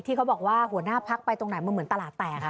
เขาบอกว่าหัวหน้าพักไปตรงไหนมันเหมือนตลาดแตก